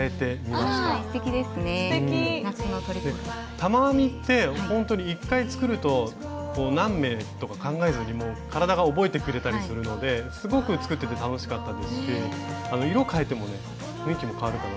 玉編みってほんとに１回作ると何目とか考えずに体が覚えてくれたりするのですごく作ってて楽しかったですし色をかえてもね雰囲気もかわるかな。